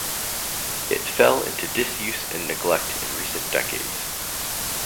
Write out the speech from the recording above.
It fell into disuse and neglect in recent decades.